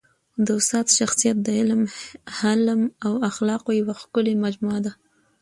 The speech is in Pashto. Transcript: د استاد شخصیت د علم، حلم او اخلاقو یوه ښکلي مجموعه ده.